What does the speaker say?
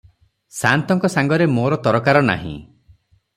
ସାଆନ୍ତଙ୍କ ସାଙ୍ଗରେ ମୋର ତରକାର ନାହିଁ ।